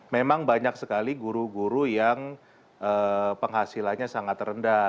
memang banyak sekali guru guru yang penghasilannya sangat rendah